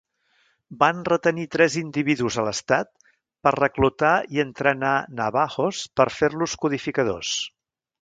Van retenir tres individus a l'estat per reclutar i entrenar navahos per fer-los codificadors.